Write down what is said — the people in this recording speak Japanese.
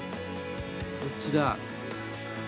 どっちだ？